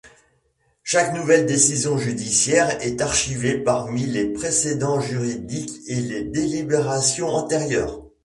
Chaque nouvelle décision judiciaire est archivée parmi les précédents juridiques et les délibérations antérieures.